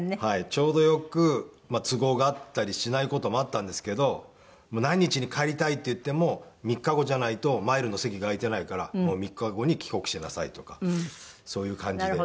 ちょうどよく都合が合ったりしない事もあったんですけど何日に帰りたいって言っても３日後じゃないとマイルの席が空いていないから３日後に帰国しなさいとかそういう感じで。